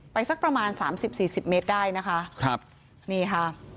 ไปสักประมาณ๓๐๔๐เมตรได้นะคะ